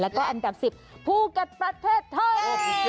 แล้วก็อันดับ๑๐ภูเก็ตประเทศไทย